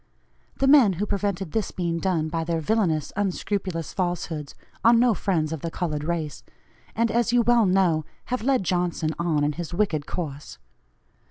The men who prevented this being done by their villanous unscrupulous falsehoods, are no friends of the colored race, and, as you well know, have led Johnson on in his wicked course.